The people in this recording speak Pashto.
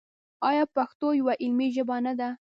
آیا پښتو یوه علمي ژبه نه ده؟